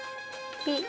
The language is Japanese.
ピッ！